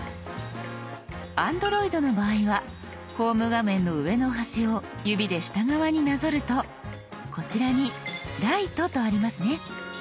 Ａｎｄｒｏｉｄの場合はホーム画面の上の端を指で下側になぞるとこちらに「ライト」とありますね。